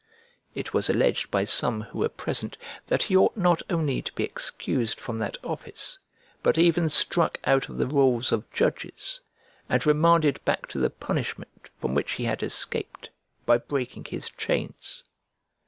[1045b] It was alleged by some who were present that he ought not only to be excused from that office, but even struck out of the rolls of judges, and remanded back to the punishment from which he had escaped, by breaking his chains.